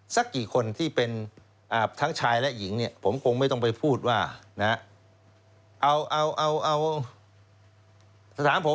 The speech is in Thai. สักกี่คนที่เป็นทั้งชายและหญิงเนี่ยผมคงไม่ต้องไปพูดว่านะเอาเอาถามผม